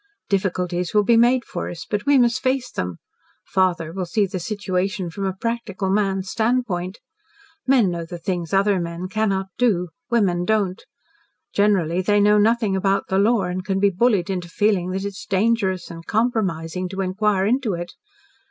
Difficulties will be made for us, but we must face them. Father will see the situation from a practical man's standpoint. Men know the things other men cannot do. Women don't. Generally they know nothing about the law and can be bullied into feeling that it is dangerous and compromising to inquire into it.